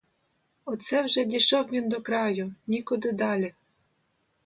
Оце вже дійшов він до краю, нікуди далі.